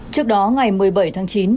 trước đó ngày một mươi bảy tháng chín